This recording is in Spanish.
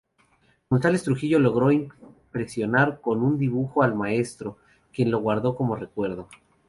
González Trujillo logró impresionar con su dibujo al maestro, quien lo guardó como recuerdo.